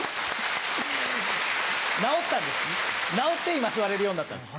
治ったんです治って今座れるようになったんです。